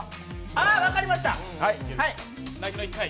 ああっ、分かりました。